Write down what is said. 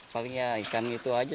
paling ya ikan gitu aja